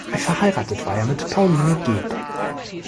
Verheiratet war er mit Pauline geb.